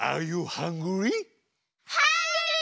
ハングリー！